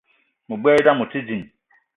Me gbelé idam ote djeng